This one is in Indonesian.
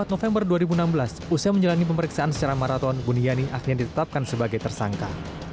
empat november dua ribu enam belas usia menjalani pemeriksaan secara maraton buniani akhirnya ditetapkan sebagai tersangka